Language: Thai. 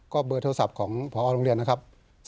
ก็เบอร์โทรศัพท์ของพอโรงเรียนนะครับ